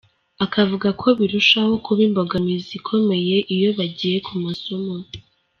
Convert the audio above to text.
Akavuga ko birushaho kuba imbogamizi ikomeye iyo bagiye ku masomo.